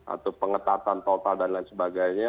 atau pengetatan total dan lain sebagainya